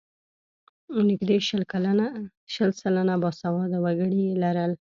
نږدې شل سلنه باسواده وګړي یې لرل.